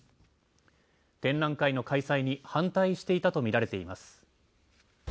展覧会の開催に反対していたと見られています。